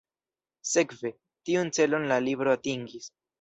Sekve, tiun celon la libro atingis.